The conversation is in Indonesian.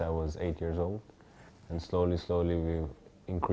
karena saya sudah selesai dengan ini